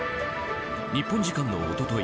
日本時間の一昨